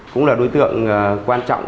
cũng là đối tượng quan trọng